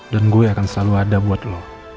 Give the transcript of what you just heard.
dan gue akan selalu ada buat lo